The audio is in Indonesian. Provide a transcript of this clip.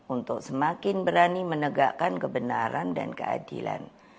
untuk semakin berani menegakkan kebenaran dan keadilan